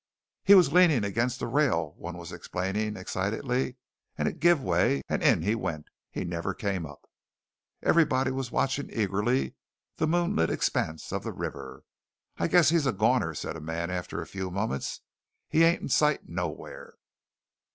"He was leaning against the rail," one was explaining excitedly, "and it give way, and in he went. He never came up!" Everybody was watching eagerly the moonlit expanse of the river. "I guess he's a goner," said a man after a few moments. "He ain't in sight nowhere."